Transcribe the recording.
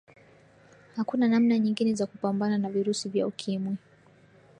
hakuna namna nyingine ya kupambana na virusi vya ukimwi